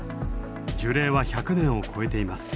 樹齢は１００年を超えています。